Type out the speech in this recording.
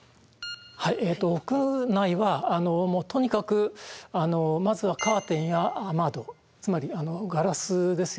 はい屋内はもうとにかくまずはカーテンや雨戸つまりガラスですよね